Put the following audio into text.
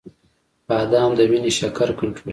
• بادام د وینې شکر کنټرولوي.